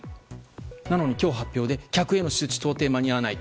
なのに今日発表で客への周知は間に合わない。